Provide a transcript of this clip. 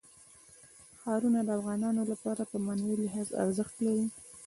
ښارونه د افغانانو لپاره په معنوي لحاظ ارزښت لري.